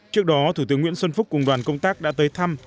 trước đó thủ tướng nguyễn xuân phúc cùng đoàn công tác đã tới thăm